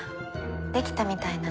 できたみたいなの。